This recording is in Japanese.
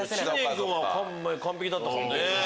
知念君は完璧だったもんね。